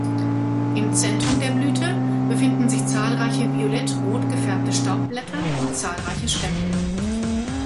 Im Zentrum der Blüte befinden sich zahlreiche violett-rot gefärbte Staubblätter und zahlreiche Stempel.